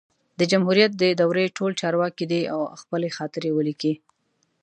د جمهوریت د دورې ټول چارواکي دي او خپلي خاطرې ولیکي